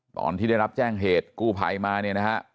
ตอนที่ได้รับแจ้งเหตุกู้ภัยมาเนี่ยนะฮะ